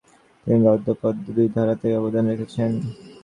তিনি গদ্য ও পদ্য দুই ধারাতেই অবদান রেখেছেন।